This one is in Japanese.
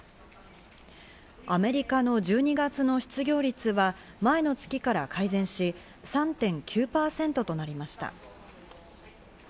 アメリカの１２月の失業率は前の月から改善し、３．９％となりました。